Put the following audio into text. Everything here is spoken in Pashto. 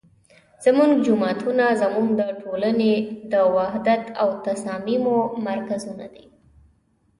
زمونږ جوماتونه زمونږ د ټولنې د وحدت او تصاميمو مرکزونه دي